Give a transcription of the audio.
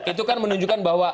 itu kan menunjukkan bahwa